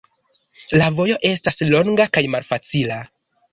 La vojo estas longa kaj malfacila.